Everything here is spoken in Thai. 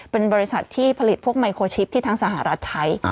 เป็นบริษัทที่ผลิตพวกไมโครชิปที่ทั้งสหรัฐใช้